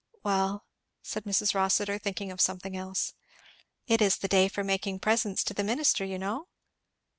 "Well?" said Mrs Rossitur, thinking of something else. "It is the day for making presents to the minister, you know?"